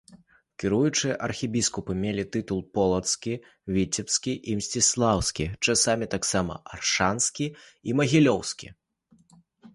Кіруючыя архібіскупы мелі тытул полацкі, віцебскі і мсціслаўскі, часам таксама аршанскі і магілёўскі.